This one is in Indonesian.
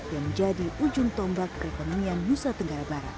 dan menjadi ujung tombak perkembangan nusa tenggara barat